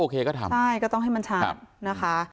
ใช่ก็ต้องให้มันชาตินะคะ